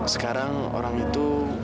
sekarang orang itu